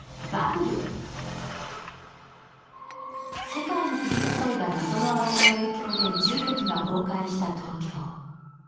世界に降り注いだ謎の泡の影響で重力が崩壊した東京。